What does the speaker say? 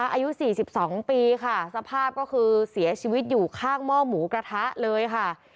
อายุ๔๒ปีค่ะสภาพก็คือเสียชีวิตอยู่ข้างหม้อหมูกระทะเลเลยค่ะ